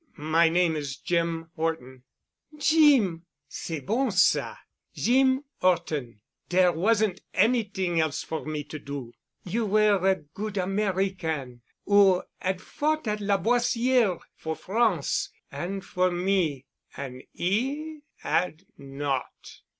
"My name is Jim Horton." "Jeem! C'est bon ça. Jeem 'Orton, dere wasn' anyt'ing else for me to do. You were a good Americain—who 'ad fought at La Boissière for France and for me. An' he had not.